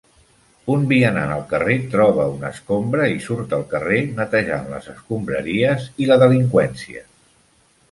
Un vianant al carrer troba una escombra i surt al carrer netejant les escombraries i la delinqüència.